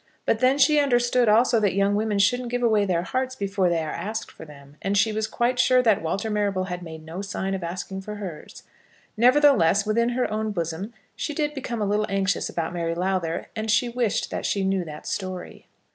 But then she understood also that young women shouldn't give away their hearts before they are asked for them; and she was quite sure that Walter Marrable had made no sign of asking for hers. Nevertheless, within her own bosom she did become a little anxious about Mary Lowther, and she wished that she knew that story.